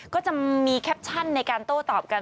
ก็จะมีแคปชั่นในการโต้ตอบกัน